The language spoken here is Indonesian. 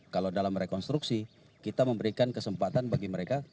kalau dalam rekonstruksi kita memberikan kesempatan bagi mereka